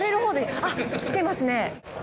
あ、来ていますね。